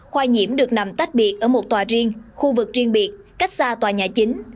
khoa nhiễm được nằm tách biệt ở một tòa riêng khu vực riêng biệt cách xa tòa nhà chính